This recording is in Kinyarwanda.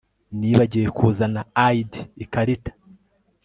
Nibagiwe kuzana ID ikarita